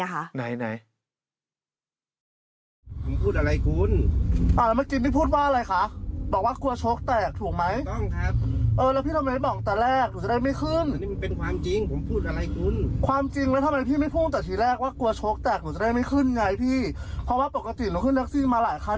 หนูจะได้ไม่ขึ้นไงพี่เพราะว่าปกติหนูขึ้นนักซีมาหลายคัน